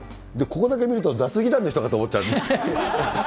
ここだけ見ると雑技団の人かと思っちゃう。